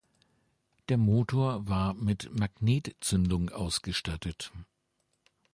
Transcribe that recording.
Der Motor war mit Magnetzündung ausgestattet.